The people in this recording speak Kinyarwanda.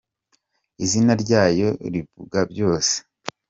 Izina ryayo rivuga byose